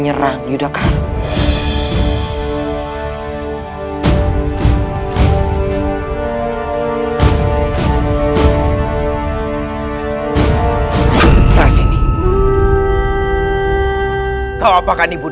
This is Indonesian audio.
berhenti jalan hidupmu